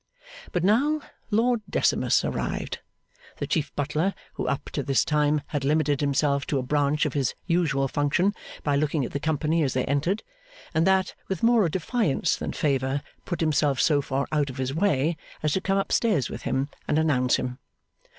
But now, Lord Decimus arrived. The Chief Butler, who up to this time had limited himself to a branch of his usual function by looking at the company as they entered (and that, with more of defiance than favour), put himself so far out of his way as to come up stairs with him and announce him.